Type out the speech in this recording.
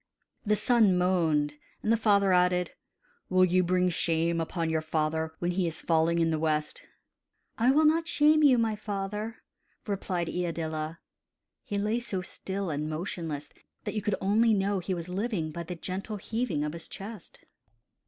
The son moaned, and the father added: "Will you bring shame upon your father when he is is falling in the west?" "I will not shame you, my father," replied Iadilla; he lay so still and motionless that you could only know that he was living by the gentle heaving of his chest.